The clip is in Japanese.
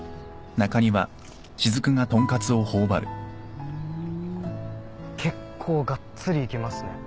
ふーん結構がっつりいきますね。